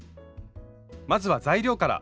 まずは材料から。